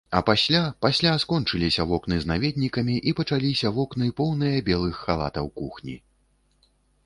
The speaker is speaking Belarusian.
А пасля, пасля скончыліся вокны з наведнікамі і пачаліся вокны, поўныя белых халатаў кухні.